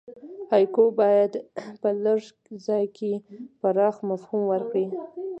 هایکو باید په لږ ځای کښي پراخ مفهوم ورکي.